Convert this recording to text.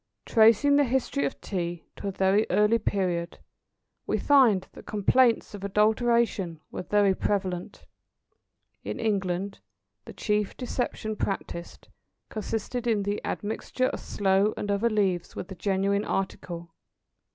Tracing the history of Tea to a very early period, we find that complaints of adulteration were very prevalent. In England the chief deception practised, consisted in the admixture of sloe and other leaves with the genuine article.